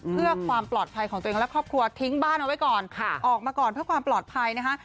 เพื่อความปลอดภัยของตัวเองและครอบครัวทิ้งบ้านเอาไว้ก่อนออกมาก่อนเพื่อความปลอดภัยนะคะ